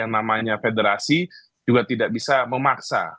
yang namanya federasi juga tidak bisa memaksa